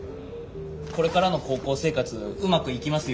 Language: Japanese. これからの高校生活うまくいきますようにって。